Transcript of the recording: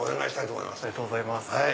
ありがとうございます。